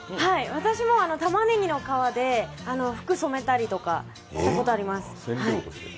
私もたまねぎの皮で服を染めたりとかしたことあります。